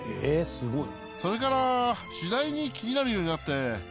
すごい」